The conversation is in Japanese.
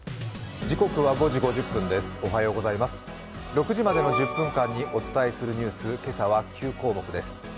６時までの１０分間にお伝えするニュース、今朝は９項目です。